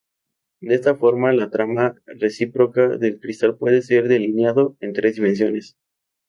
De esta forma, la trama recíproca del cristal puede ser delineado en tres dimensiones.